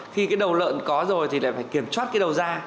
khi cái đầu lợn có rồi thì lại phải kiểm soát cái đầu ra